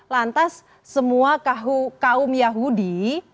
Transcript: lantas semua kaum yahudi